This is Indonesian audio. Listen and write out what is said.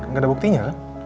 gak ada buktinya